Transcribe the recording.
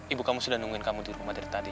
ibu kamu sudah nungguin kamu di rumah dari tadi